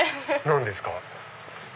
何ですか？